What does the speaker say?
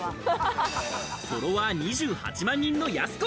フォロワー２８万人のやす子、